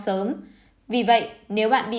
sớm vì vậy nếu bạn bị